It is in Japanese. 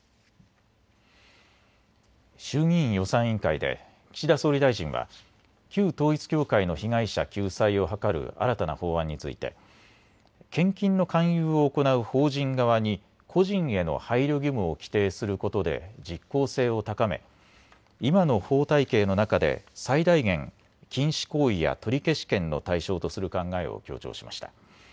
衆議院予算委員会で岸田総理大臣は旧統一教会の被害者救済を図る新たな法案について献金の勧誘を行う法人側に個人への配慮義務を規定することで実効性を高め今の法体系の中で最大限、禁止行為や取消権の対象とする考えを強調しました。